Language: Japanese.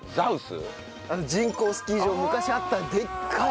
人工スキー場昔あったでっかい。